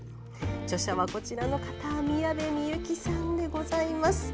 著者は宮部みゆきさんでございます。